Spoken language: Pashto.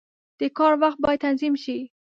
• د کار وخت باید تنظیم شي.